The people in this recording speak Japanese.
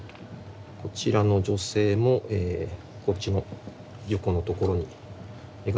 こちらの女性もこっちの横のところに描かれてますね。